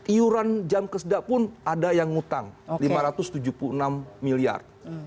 iuran jam kesedak pun ada yang ngutang lima ratus tujuh puluh enam miliar